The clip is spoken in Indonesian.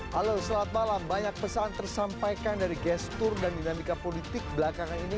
halo selamat malam banyak pesan tersampaikan dari gestur dan dinamika politik belakangan ini